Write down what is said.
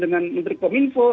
di internal kementerian kom info